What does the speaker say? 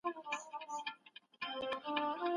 دواړه برخې خپل اهمیت لري.